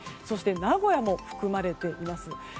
そして名古屋も含まれています。